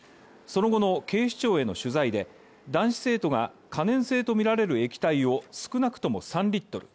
その後の警視庁への取材で、男子生徒が、可燃性とみられる液体を少なくとも３Ｌ。